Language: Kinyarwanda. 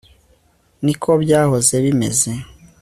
niko byahoze bimeze